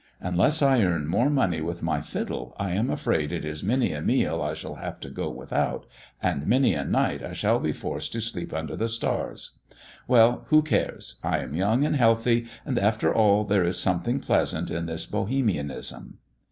Unless I earn more money with my fiddle I am afraid it is many a meal I shall have to go without, and many a night I shall be forced to sleep under the stars. Well, who cares 1 I am young and healthy, and after all there is something pleasant in this Bohemianism."